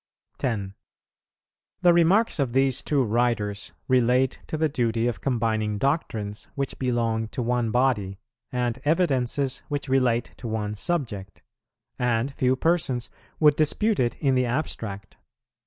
10. The remarks of these two writers relate to the duty of combining doctrines which belong to one body, and evidences which relate to one subject; and few persons would dispute it in the abstract.